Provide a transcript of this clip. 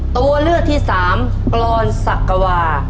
ตัวเลือกที่สามกรอนศักวา